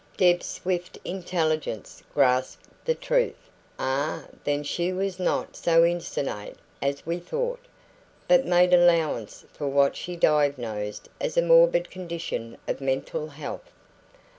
Deb's swift intelligence grasped the truth. "Ah, then she was not so insensate as we thought!" but made allowance for what she diagnosed as a morbid condition of mental health.